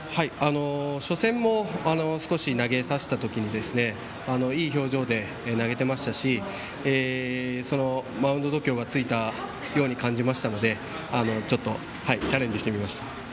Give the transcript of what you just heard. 初戦も少し投げさせた時にいい表情で投げてましたしそのマウンド度胸がついたように感じましたのでちょっとチャレンジしてみました。